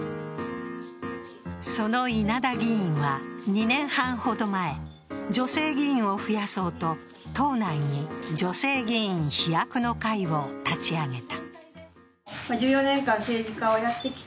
その稲田議員は２年半ほど前、女性議員を増やそうと党内に女性議員飛躍の会を立ち上げた。